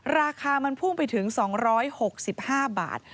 ราคามันพุ่งไปถึง๒๖๕บาท